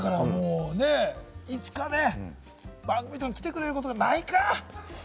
いつか番組に来てくれること、ないか！